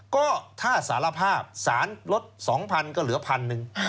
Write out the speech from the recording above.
ก็ถ้าสารภาพศาลลด๒๐๐๐ก็เหลือ๑๐๐๐ปี